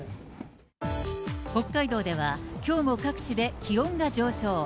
北海道では、きょうも各地で気温が上昇。